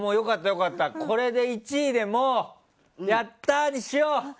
これで１位でもやったー！にしよう。